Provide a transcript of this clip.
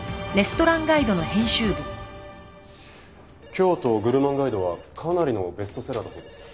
『京都グルマンガイド』はかなりのベストセラーだそうですね。